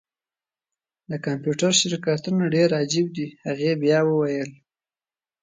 د کمپیوټر شرکتونه ډیر عجیب دي هغې بیا وویل